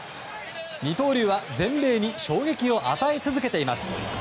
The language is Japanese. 二刀流は全米に衝撃を与え続けています。